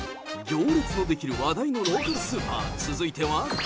行列の出来る話題のローカルスーパー、続いては。